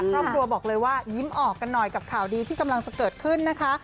ครอบครัวบอกเลยว่ายิ้มออกกันหน่อยกับข่าวดีที่กำลังจะเกิดขึ้นนะคะ